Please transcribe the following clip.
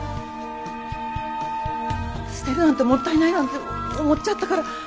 捨てるなんてもったいないなんて思っちゃったから。